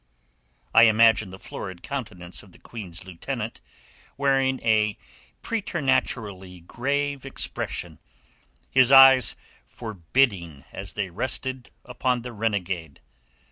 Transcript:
I imagine the florid countenance of the Queen's Lieutenant wearing a preternaturally grave expression, his eyes forbidding as they rested upon the renegade.